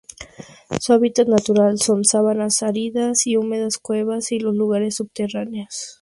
Su hábitat natural son: sabanas áridas y húmedas, cuevas, y los lugares subterráneos.